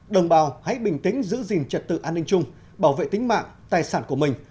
đồng bào hãy bình tĩnh giữ gìn trật tự an ninh chung bảo vệ tính mạng tài sản của mình